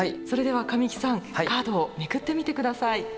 それでは神木さんカードをめくってみて下さい。